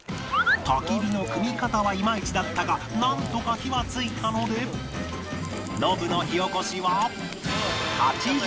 焚き火の組み方はイマイチだったがなんとか火は付いたのでノブの火おこしは